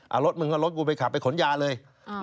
เอารถมึงก็รถกูไปขับไปขนยาเลย